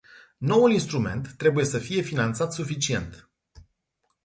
Noul instrument trebuie să fie finanțat suficient.